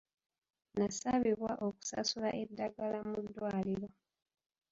Nasabibwa okusasula eddagala mu ddwaliro.